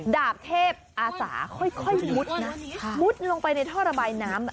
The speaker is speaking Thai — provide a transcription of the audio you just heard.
ดาบเทพออาสาค่อยมุดนะมุดลงไปในท่อระบายน้ำ